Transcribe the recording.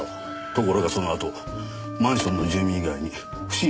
ところがそのあとマンションの住人以外に不審者の出入りがありません。